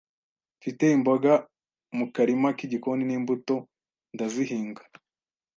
Mfite imboga mu karima k’igikoni n’imbuto ndazihinga,